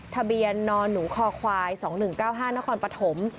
ทะเบียนนหนูคอควาย๒๑๙๕นครปฐม